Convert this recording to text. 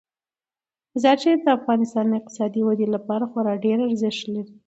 مزارشریف د افغانستان د اقتصادي ودې لپاره خورا ډیر ارزښت لري.